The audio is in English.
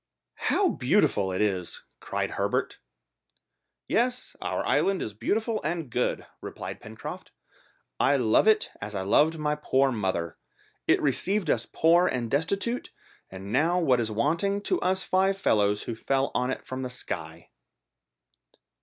"How beautiful it is!" cried Herbert. "Yes, our island is beautiful and good," replied Pencroft. "I love it as I loved my poor mother. It received us poor and destitute, and now what is wanting to us five fellows who fell on it from the sky."